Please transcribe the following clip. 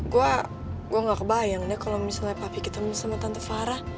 gue gak kebayang deh kalau misalnya papi ketemu sama tante farah